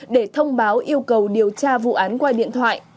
để thông báo yêu cầu điều tra vụ án qua điện thoại